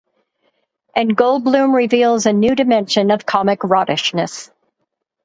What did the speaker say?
And Goldblum reveals a new dimension of comic rottishness.